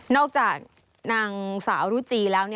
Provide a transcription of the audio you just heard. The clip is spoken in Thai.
จากนางสาวรุจีแล้ว